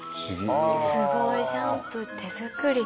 すごいシャンプー手作り。